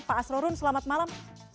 pak asrorun selamat malam